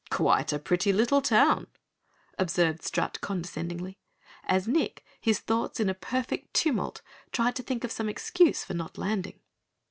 "Quite a pretty little town," observed Strut condescendingly, as Nick, his thoughts in a perfect tumult, tried to think of some excuse for not landing.